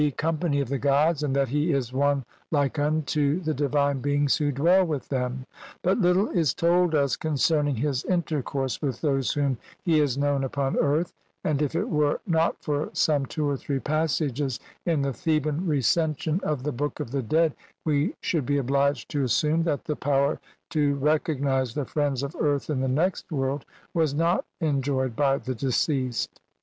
CXV company of the gods, and that he is one like unto the divine beings who dwell with them ; but little is told us concerning his intercourse with those whom he has known upon earth, and if it were not for some two or three passages in the Theban Recension of the Book of the Dead we should be obliged to as sume that the power to recognize the friends of earth in the next world was not enjoyed by the deceased.